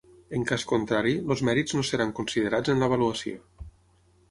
En cas contrari, els mèrits no seran considerats en l'avaluació.